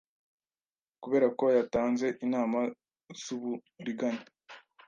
Kuberako yatanze inama zuburiganya